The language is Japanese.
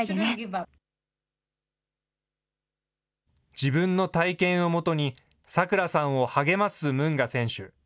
自分の体験をもとに、咲来さんを励ますムンガ選手。